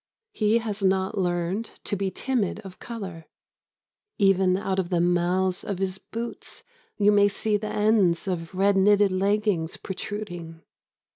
He has not learned to be timid of colour. Even out of the mouths of his boots you may see the ends of red knitted leggings protruding.